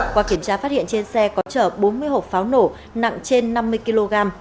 qua kiểm tra phát hiện trên xe có chở bốn mươi hộp pháo nổ nặng trên năm mươi kg